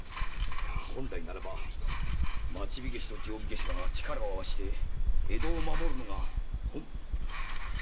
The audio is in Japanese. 本来ならば両方の火消しは力を合わせて江戸を守るのが本分。